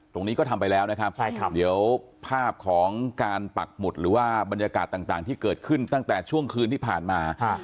ตรงนี้ก็ทำไปแล้วนะครับเดี๋ยวภาพของการปักหมุดหรือว่าบรรยากาศต่างที่เกิดขึ้นตั้งแต่ช่วงคืนที่ผ่านมา